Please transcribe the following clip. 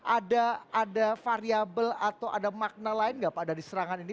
ada variable atau ada makna lain nggak pak dari serangan ini